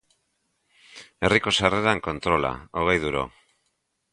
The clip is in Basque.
Herriko sarreran kontrola, hogei duro.